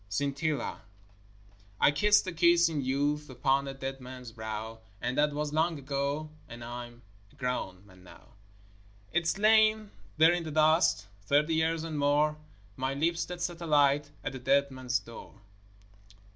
SCINTILLA I kissed a kiss in youth Upon a dead man's brow; And that was long ago, And I'm a grown man now. It's lain there in the dust, Thirty years and more; My lips that set a light At a dead man's door.